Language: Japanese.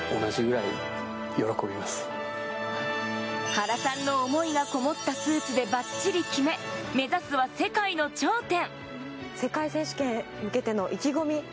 原さんの思いがこもったスーツでバッチリ決め、目指すは世界の頂点。